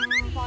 udah ya ya